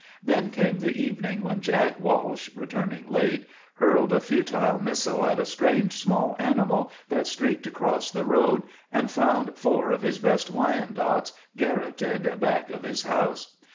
Then came the evening when Jack Walsh, returning late, hurled a futile missile at a strange, small animal that streaked across the road, and found four of his best Wyandottes garroted back of his house.